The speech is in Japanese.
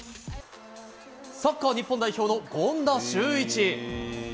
サッカー日本代表の権田修一。